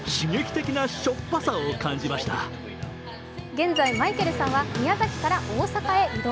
現在、マイケルさんは宮崎から大阪へ移動。